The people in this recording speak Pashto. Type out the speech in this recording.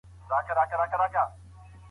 ایا مسلکي بڼوال وچه الوچه پلوري؟